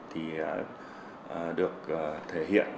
thì được thể hiện